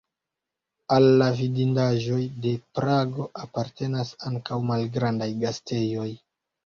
Al la vidindaĵoj de Prago apartenas ankaŭ malgrandaj gastejoj.